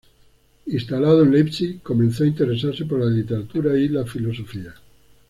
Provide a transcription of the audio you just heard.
Instalado en Leipzig, comenzó a interesarse por la literatura y la filosofía.